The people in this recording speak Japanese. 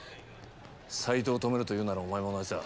斎藤を止めろというならお前も同じだ。